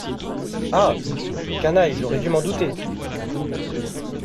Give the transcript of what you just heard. Ah! canaille, j’aurais dû m’en douter !